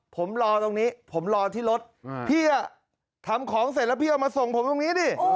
ผมรอตรงนี้ผมรอที่รถพี่ทำของเสร็จแล้วพี่เอามาส่งผมตรงนี้ดิ